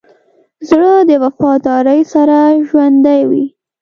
زړه د وفادارۍ سره ژوندی وي.